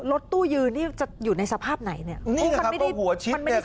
รถตู้ยืนนี่จะอยู่ในสภาพไหนเนี่ยนี่แหละครับก็หัวชิดเนี่ยครับ